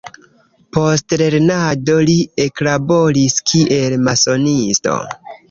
Post lernado li eklaboris kiel masonisto.